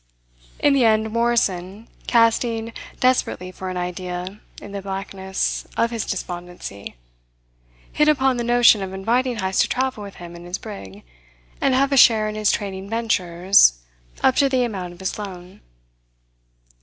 In the end Morrison, casting desperately for an idea in the blackness of his despondency, hit upon the notion of inviting Heyst to travel with him in his brig and have a share in his trading ventures up to the amount of his loan.